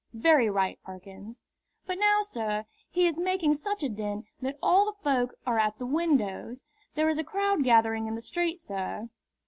"Very right, Perkins." "But now, sir, he is making such a din that all the folk are at the windows. There is a crowd gathering in the street, sir."